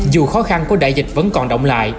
dù khó khăn của đại dịch vẫn còn động lại